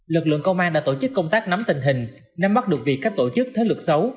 lực lượng công an đã tổ chức công tác nắm tình hình nắm bắt được việc các tổ chức thế lực xấu